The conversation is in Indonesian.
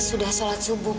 sudah sholat subuh pak